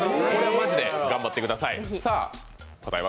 マジで頑張ってください。